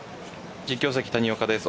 実況席、谷岡です。